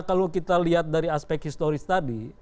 kalau kita lihat dari aspek historis tadi